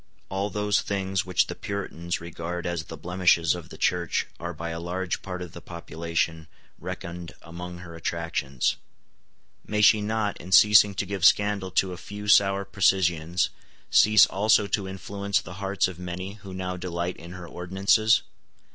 All those things which the Puritans regard as the blemishes of the Church are by a large part of the population reckoned among her attractions. May she not, in ceasing to give scandal to a few sour precisians, cease also to influence the hearts of many who now delight in her ordinances?